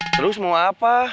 terus mau apa